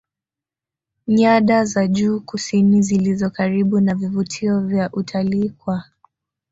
nyada za juu kusini zilizo karibu na vivutio vya utalii kwa